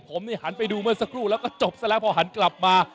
ผมหันไปดูเมื่อสักครู่แล้วก็จบซะแล้วพอหันกลับมา